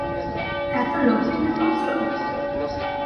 এত লোককে নিমন্ত্রণ!